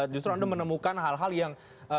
justru anda menemukan hal hal yang